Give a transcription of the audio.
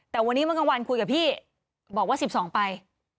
แต่วันนี้เมื่อกลางวันคุยกับพี่บอกว่า๑๒ไป